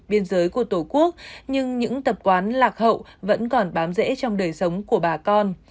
biên giới của tổ quốc nhưng những tập quán lạc hậu vẫn còn bám dễ trong đời sống của bà con